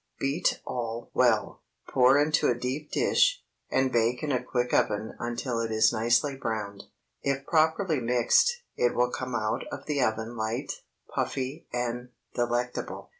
Beat all well, pour into a deep dish, and bake in a quick oven until it is nicely browned. If properly mixed, it will come out of the oven light, puffy, and delectable.